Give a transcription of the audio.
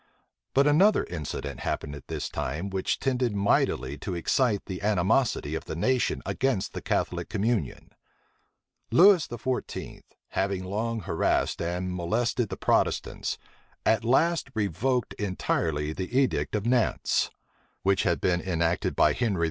But another incident happened at this time, which tended mightily to excite the animosity of the nation against the Catholic communion. Lewis XIV., having long harassed and molested the Protestants, at last revoked entirely the edict of Nantz; which had been enacted by Henry IV.